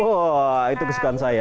wah itu kesukaan saya